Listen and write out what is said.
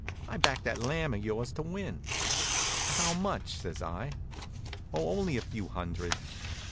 "I backed that Lamb of yours to win." "How much?" says I. "Oh, only a few hundred."